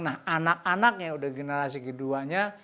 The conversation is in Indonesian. nah anak anaknya udah generasi keduanya